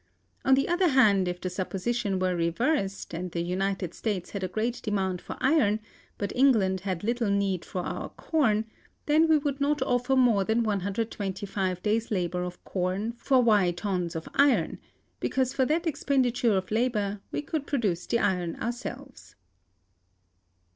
On the other hand, if the supposition were reversed, and the United States had a great demand for iron, but England had little need for our corn, then we would not offer more than 125 days' labor of corn for y tons of iron, because for that expenditure of labor we could produce the iron ourselves.